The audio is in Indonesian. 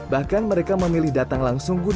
bahkan mereka memilih datang langsung